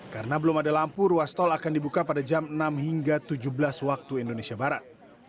karena belum ada lampu ruas tol akan dibuka pada jam enam hingga tujuh belas waktu indonesia barat